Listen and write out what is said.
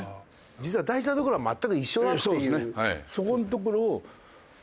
実は大事なところは全く一緒だっていう。